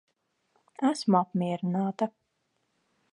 Esmu apmierināta.